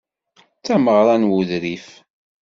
D tameɣra n wuḍrif.